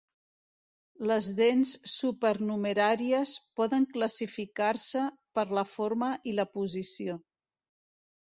Les dents supernumeràries poden classificar-se per la forma i la posició.